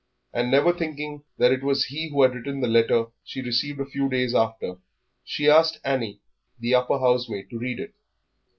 And never thinking that it was he who had written the letter she received a few days after, she asked Annie, the upper housemaid, to read it.